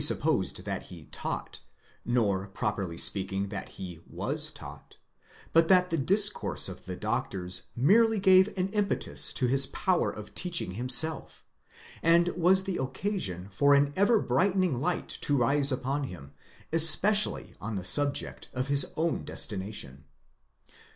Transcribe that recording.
supposed that he taught, nor properly speaking that he was taught, but that — the discourse of the doctors merely gave an impetus to his power of teaching himself, and was the occasion for an ever brightening light to rise upon him, especially on the subject of his own destination.